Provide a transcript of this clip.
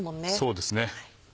そうですね。